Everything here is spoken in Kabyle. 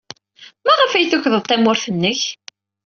Maɣef ay tukḍed tamurt-nnek?